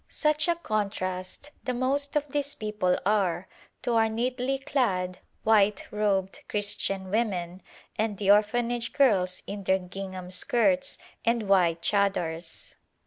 Such a contrast the most of these people are to our neatly clad, white robed Christian women and the Orphanage girls in their gingham skirts and white chadars.